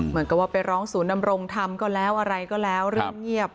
เหมือนก็ว่าไปร้องสูนำรงค์ทำก็ซะรื่องเงียบ